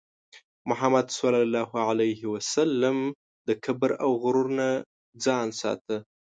محمد صلى الله عليه وسلم د کبر او غرور نه ځان ساته.